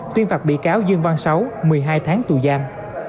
tuyên phạt bị cáo dương văn sáu một mươi hai tháng tù giam